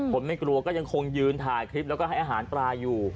ไม่กลัวก็ยังคงยืนถ่ายคลิปแล้วก็ให้อาหารปลาอยู่